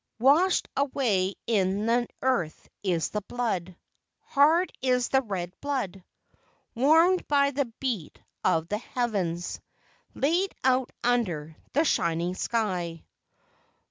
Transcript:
Washed away in the earth is the blood; Hard is the red blood Warmed by the heat of the heavens, Laid out under the shining sky.